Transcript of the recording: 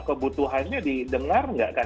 kebutuhannya didengar gak